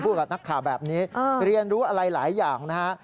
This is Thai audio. กับนักข่าวแบบนี้เรียนรู้อะไรหลายอย่างนะฮะ